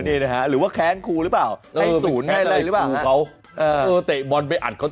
เอ่อฮ่า